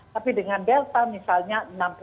tapi dengan delta misalnya